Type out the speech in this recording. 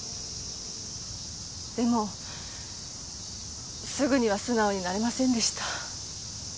でもすぐには素直になれませんでした。